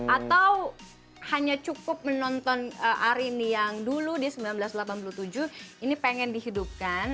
atau hanya cukup menonton arini yang dulu di seribu sembilan ratus delapan puluh tujuh ini pengen dihidupkan